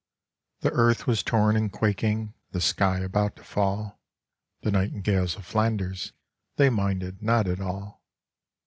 The earth was torn and quaking, The sky about to fall. The nightingales of Flanders, They minded not at all.